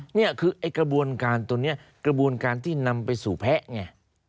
นี่คือไอ้กระบวนการตัวนี้กระบวนการที่นำไปสู่แพ้ไง